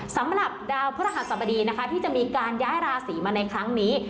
สำหรับดาวพระหัสบดีนะคะที่จะมีการย้ายราศีมาในครั้งนี้